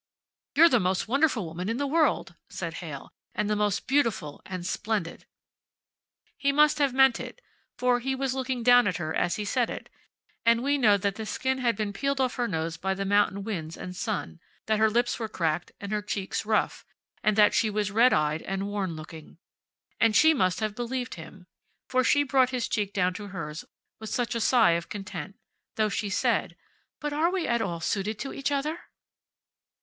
"You're the most wonderful woman in the world," said Heyl, "and the most beautiful and splendid." He must have meant it, for he was looking down at her as he said it, and we know that the skin had been peeled off her nose by the mountain winds and sun, that her lips were cracked and her cheeks rough, and that she was red eyed and worn looking. And she must have believed him, for she brought his cheek down to hers with such a sigh of content, though she said, "But are we at all suited to each other?"